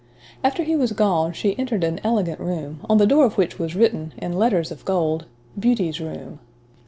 After he was gone, she entered an elegant room, on the door of which was written, in letters of gold, "Beauty's room."